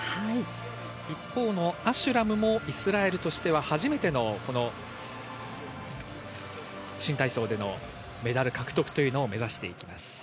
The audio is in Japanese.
一方のアシュラムもイスラエルとしては初めてのこの新体操でのメダル獲得というのを目指していきます。